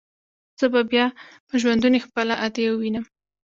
زه به بيا په ژوندوني خپله ادې ووينم.